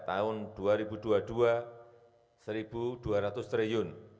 tahun dua ribu dua puluh dua rp satu dua ratus triliun